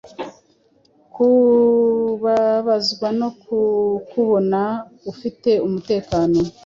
Kubabazwa no kukubona ufite umutekano